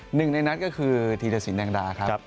หนึ่งในนั้นก็คือธีรสินแดงดาครับ